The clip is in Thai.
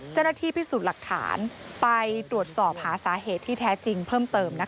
เจ้าหน้าที่พิสูจน์หลักฐานไปตรวจสอบหาสาเหตุที่แท้จริงเพิ่มเติม